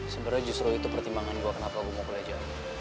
sebenernya justru itu pertimbangan gue kenapa gue mau kerja aja